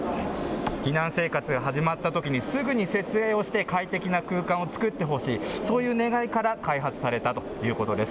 避難生活が始まったときに、すぐに設営をして、快適な空間を作ってほしい、そういう願いから開発されたということです。